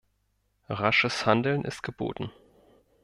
Rasches Handeln ist geboten.